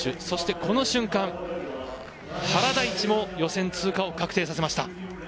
そしてこの瞬間、原大智も予選通過を確定させました。